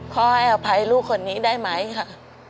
ขอให้อภัยลูกคนนี้ได้ไหมค่ะ